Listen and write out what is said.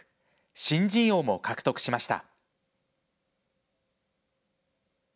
新人王も獲得しました。